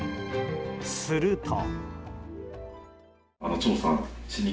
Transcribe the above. すると。